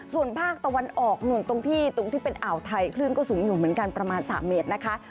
ส่วนภาคตะวันออกหนุ่นตรงที่ตรงที่เป็นอ่าวไทยคลื่นก็สูงอยู่เหมือนกันประมาณ๓เมตรนะคะ